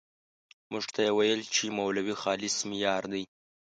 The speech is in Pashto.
موږ ته یې ويل چې مولوي خالص مې يار دی.